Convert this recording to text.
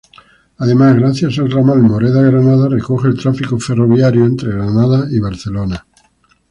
Además, gracias al ramal Moreda-Granada recoge el tráfico ferroviario entre Granada y Barcelona.